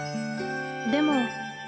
でも。